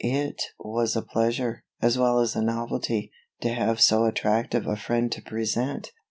It was a pleasure, as well as a novelty, to have so attractive a friend to present.